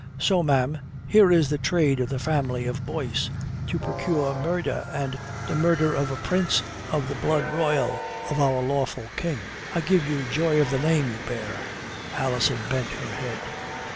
So, ma'am, here is the trade of the family of Boyce to procure murder, and the murder of a prince of the blood royal, of our lawful king. I give you joy of the name you bear." Alison bent her head.